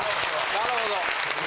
なるほど。